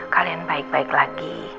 kalian baik baik lagi